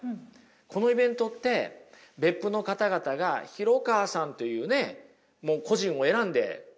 このイベントって別府の方々が廣川さんというねもう個人を選んでお願いされたわけですよね。